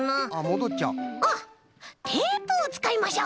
あっテープをつかいましょう！